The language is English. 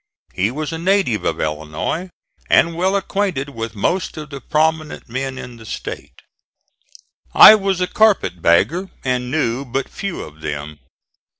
He was a native of Illinois and well acquainted with most of the prominent men in the State. I was a carpet bagger and knew but few of them.